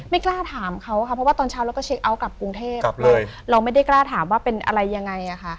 ไม่กล้าถามเขาค่ะเพราะว่าตอนเช้าเราก็เช็คเอาท์กลับกรุงเทพเราไม่ได้กล้าถามว่าเป็นอะไรยังไง